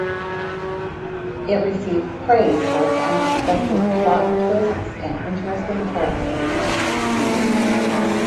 It received praise for its unexpected plot twists and interesting characters.